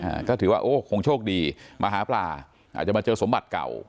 อ่าก็ถือว่าโอ้คงโชคดีมาหาปลาอาจจะมาเจอสมบัติเก่า